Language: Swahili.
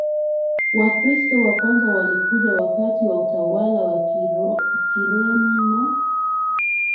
Wakristo wa kwanza walikuja wakati wa utawala wa Kireno